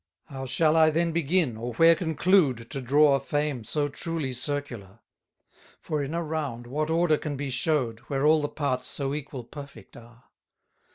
5 How shall I then begin, or where conclude, To draw a fame so truly circular? For in a round what order can be show'd, Where all the parts so equal perfect are?